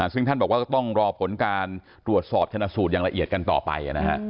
ซึ่งท่านบอกว่าก็ต้องรอผลการตรวจสอบชนะสูตรอย่างละเอียดกันต่อไปนะฮะ